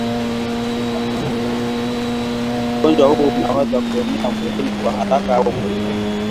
Ugonjwa huu unaweza kuenea mwilini kwa haraka au polepole